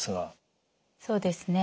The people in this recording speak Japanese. そうですね。